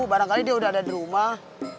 barangkali dia udah ada di rumah